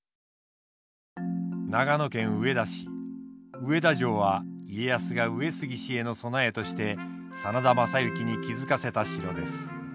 上田城は家康が上杉氏への備えとして真田昌幸に築かせた城です。